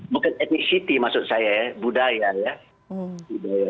bukan etnisity maksud saya ya budaya ya